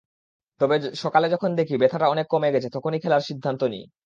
তবে সকালে যখন দেখি ব্যথাটা অনেক কমে গেছে তখনই খেলার সিদ্ধান্ত নিই।